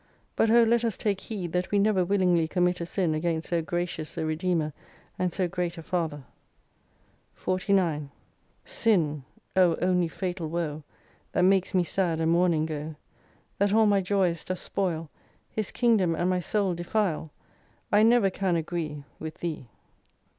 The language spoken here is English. But oh let us take heed that wc never willingly commit a sin against so gracious a Redeemer, and so great a Father. 49 1 Sin! 0 only fatal woe, That mak'st me sad and mourning go ! That all my joys dost spoil, His Kingdom and my Soul defile ! 1 never can agree With thee